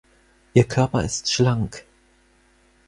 Ihr Körper ist schlank.